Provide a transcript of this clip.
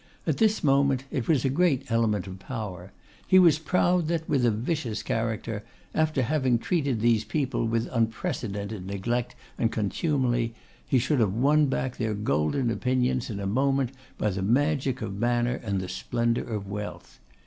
At this moment it was a great element of power; he was proud that, with a vicious character, after having treated these people with unprecedented neglect and contumely, he should have won back their golden opinions in a moment by the magic of manner and the splendour of wealth.